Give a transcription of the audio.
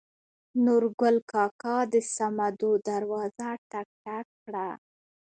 نورګل کاکا د سمدو دروازه ټک ټک کړه.